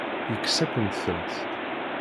Yekkes-akent-tent.